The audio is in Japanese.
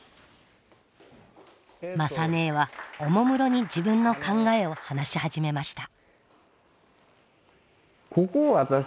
雅ねえはおもむろに自分の考えを話し始めました。